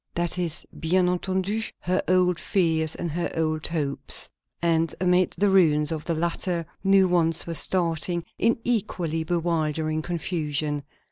That is, bien entendu, her old fears and her old hopes; and amid the ruins of the latter new ones were starting, in equally bewildering confusion.